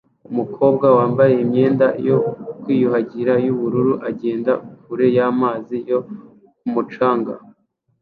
Umukobwa wambaye imyenda yo kwiyuhagira yubururu agenda kure y'amazi yo ku mucanga